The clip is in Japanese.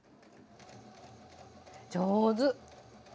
上手。